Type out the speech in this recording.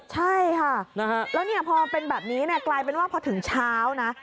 ใช่ค่ะแล้วพอเป็นแบบนี้กลายเป็นว่าพอถึงเช้านะ